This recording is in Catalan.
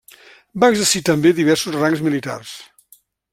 Va exercir també diversos rangs militars.